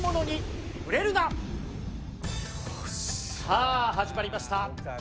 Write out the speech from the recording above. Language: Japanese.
さあ始まりました。